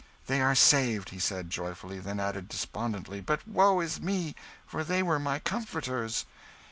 "They are saved!" he said, joyfully; then added, despondently, "but woe is me! for they were my comforters."